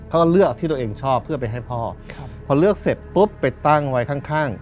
ก็เลือกที่ตัวเองชอบเพื่อไปให้พ่อครับพอเลือกเสร็จปุ๊บไปตั้งไว้ข้างข้าง